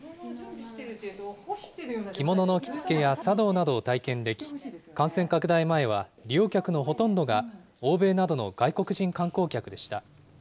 着物の着付けや茶道などを体験でき、感染拡大前は利用客のほとんどが欧米などの外国人観光客でした。